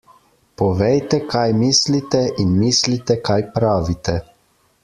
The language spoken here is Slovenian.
Povejte, kaj mislite in mislite, kaj pravite.